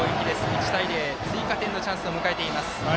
１対０、追加点のチャンスを迎えています。